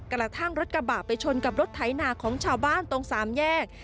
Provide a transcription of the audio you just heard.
กระทั่งรถกระบะไปชนกับรถไถนาของชาวบ้านตรงสามแยก